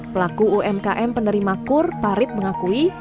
pelaku umkm penerima kur parit mengakui